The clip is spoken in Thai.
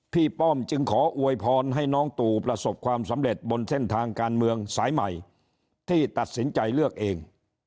ป้อมจึงขออวยพรให้น้องตู่ประสบความสำเร็จบนเส้นทางการเมืองสายใหม่ที่ตัดสินใจเลือกเอง